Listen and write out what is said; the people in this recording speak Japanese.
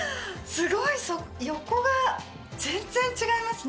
すごい横が全然違いますね